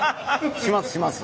しますします。